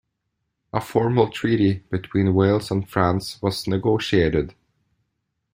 A formal treaty between Wales and France was negotiated.